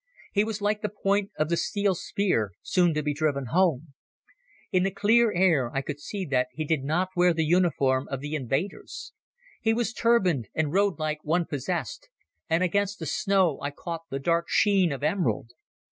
He was like the point of the steel spear soon to be driven home. In the clear morning air I could see that he did not wear the uniform of the invaders. He was turbaned and rode like one possessed, and against the snow I caught the dark sheen of emerald.